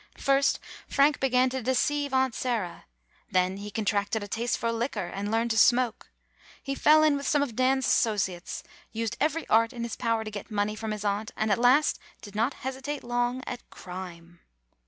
First, Frank began to deceive Aunt Sarah; then he con tracted a taste for liquor, and learned to smoke; he fell in with some of Dan's associ [ 112 ] GONE ASTRAY ates, used every art in his power to get money from his aunt, and at last did not hesitate long at crime.